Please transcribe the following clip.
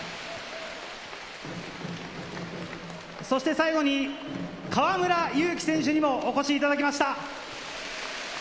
そして最後に河村勇輝選手にもお越しいただきました。